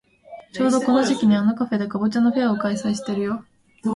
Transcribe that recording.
ちょうどこの時期にあのカフェでかぼちゃのフェアを開催してるよ。